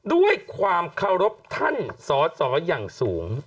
ด้วยความเคารพท่านสอสออย่างสูง